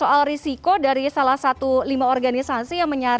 bahkan kalau soal risiko dari salah satu pemerintah itu itu bisa jadi hal yang lebih kondusif